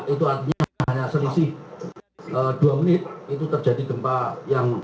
itu artinya hanya selisih dua menit itu terjadi gempa yang